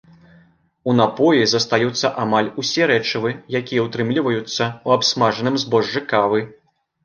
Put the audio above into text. У напоі застаюцца амаль усе рэчывы, якія ўтрымліваюцца ў абсмажаным збожжы кавы.